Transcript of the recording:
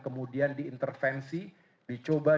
kemudian diintervensi dicoba